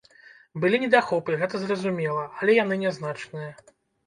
Былі недахопы, гэта зразумела, але яны нязначныя.